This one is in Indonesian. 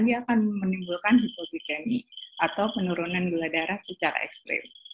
dia akan menimbulkan hipobikemi atau penurunan gula darah secara ekstrim